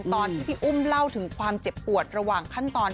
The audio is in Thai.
ตอนที่พี่อุ้มเล่าถึงความเจ็บปวดระหว่างขั้นตอน